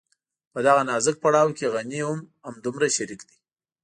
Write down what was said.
په دغه نازک پړاو کې غني هم همدومره شريک دی.